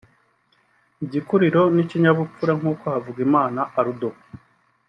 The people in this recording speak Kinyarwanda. igikuriro n’ikinyabupfura nk’uko Havugimana Aldo